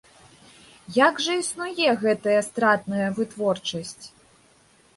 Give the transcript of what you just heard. Як жа існуе гэтая стратная вытворчасць?